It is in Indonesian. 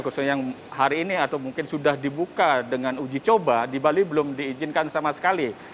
khususnya yang hari ini atau mungkin sudah dibuka dengan uji coba di bali belum diizinkan sama sekali